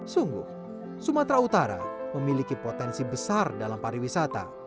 sungguh sumatera utara memiliki potensi besar dalam pariwisata